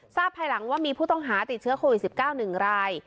ภายหลังว่ามีผู้ต้องหาติดเชื้อโควิด๑๙๑ราย